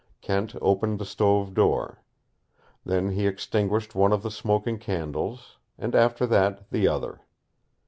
Kent opened the stove door. Then he extinguished one of the smoking candles, and after that, the other.